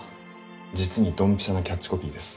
実にドンピシャなキャッチコピーです